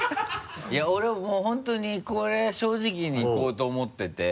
いや俺はもう本当にこれは正直にいこうと思ってて。